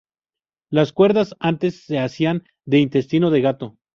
Las cuerdas antes se hacían de intestino de gato.